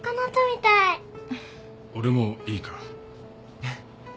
俺もいいか？